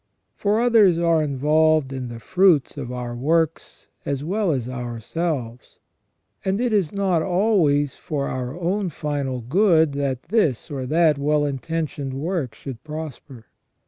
For others are involved in the fruits of our works as well as ourselves, and it is not always for our own final good that this or that well intentioned work should prosper.